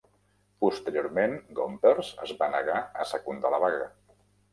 Posteriorment, Gompers es va negar a secundar la vaga.